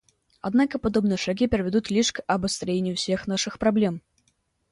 Однако подобные шаги приведут лишь к обострению всех наших проблем.